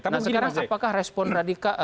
nah sekarang apakah respon radikal